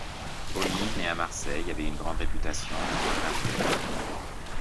Olive, né à Marseille, avait une grande réputation en tant que peintre de marine.